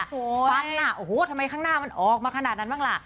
ฟันน่ะโอ้โหทำไมข้างหน้ามันออกมาขนาดนั้นบ้างล่ะ